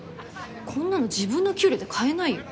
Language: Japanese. こんなの自分の給料じゃ買えないよ。